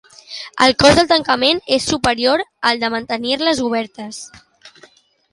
El cost del tancament és superior al de mantenir-les obertes